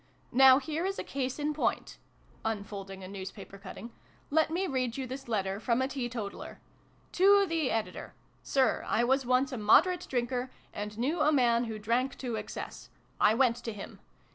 " Now, here is a case in point," unfolding a newspaper cutting :" let me read you this letter from a teetotaler. To the Editor. Sir, I was once a moderate drinker, and knew a man ivho drank to excess. I went to him.